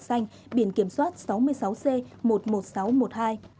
tại chốt kiểm soát phòng xanh biển kiểm soát sáu mươi sáu c một mươi một nghìn sáu trăm một mươi hai